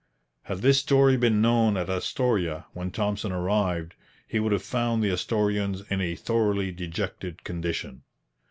Had this story been known at Astoria when Thompson arrived, he would have found the Astorians in a thoroughly dejected condition.